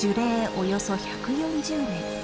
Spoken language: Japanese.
およそ１４０年。